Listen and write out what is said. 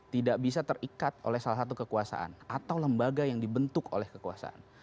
tidak bisa terikat oleh salah satu kekuasaan atau lembaga yang dibentuk oleh kekuasaan